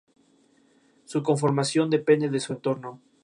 Jugó para la selección de fútbol de Colombia en todas las categorías.